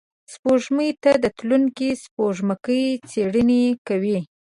سپوږمۍ ته تلونکي سپوږمکۍ څېړنې کوي